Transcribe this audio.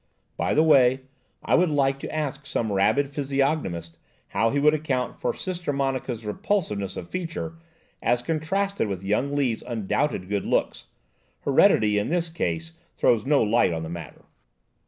By the way I would like to ask some rapid physiognolmist how he would account for Sister Monica's repulsiveness of feature as contrasted with young Lee's undoubted good looks–heredity, in this case, throws no light on the matter."